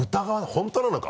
「本当なのか？